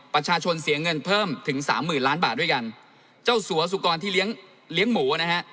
ประชาชนเสียเงินเพิ่มถึงสามหมื่นล้านบาทด้วยกันเจ้าสัวสุกรที่เลี้ยงเลี้ยงหมูนะฮะ